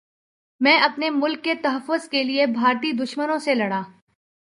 میں اپنے ملک کے تحفظ کے لیے بھارتی دشمنوں سے لڑا